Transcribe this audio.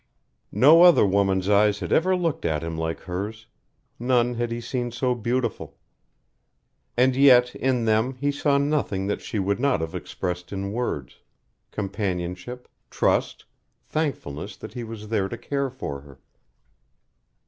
No other woman's eyes had ever looked at him like hers; none had he seen so beautiful. And yet in them he saw nothing that she would not have expressed in words companionship, trust, thankfulness that he was there to care for her.